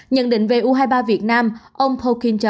nhận định về u hai mươi ba việt nam ông poukin cho biết